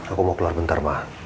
aku mau keluar bentar mah